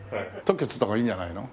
特許取った方がいいんじゃないの？